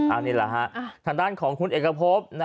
อ่าเนี่ยหรอครับทางด้านของคุณเอกพบ